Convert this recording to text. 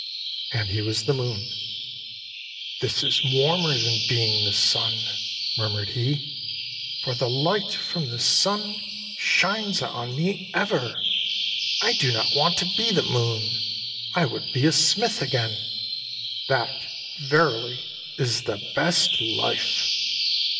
And he was the moon. 69 INDIA "This is warmer than being the sun," murmured he, "for the hght from the sun shines on me ever. I do not want to be the moon. I would be a smith again. That, verily, is the best Hfe."